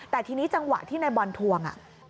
แต่ทีนี้จังหวะที่นายบอลทวง